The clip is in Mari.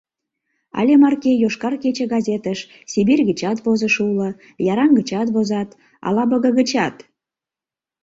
Але марке «Йошкар кече» газетыш Сибирь гычат возышо уло, Яраҥ гычат возат, Алабога гычат.